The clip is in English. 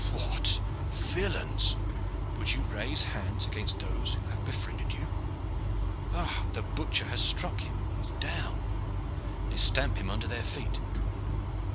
What! villains, would ye raise hands against those who have befriended you? Ah, the butcher has struck him! He is down! They stamp him under their feet!